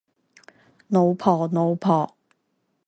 脑婆脑婆